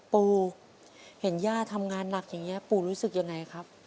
ปู่เห็นย่าทำงานหนักอย่างนี้ปูรู้สึกยังไงครับ